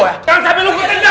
jangan sambil lu gue tendang nih